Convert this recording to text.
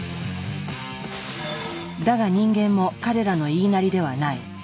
だが人間も彼らの言いなりではない。